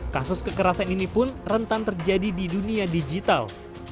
kasus kekerasan ini pun rentan terjadi di dunia digital